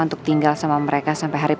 untuk tinggal sama mereka sampai hari